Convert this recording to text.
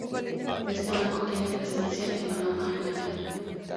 Este Banco tiene presencia en Panamá y Miami.